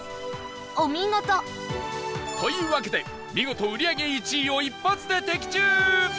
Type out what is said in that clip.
お見事！というわけで、見事売り上げ１位を一発で的中！